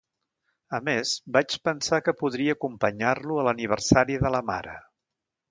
A més, vaig pensar que podria acompanyar-lo a l'aniversari de la mare.